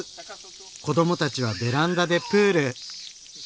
子どもたちはベランダでプール！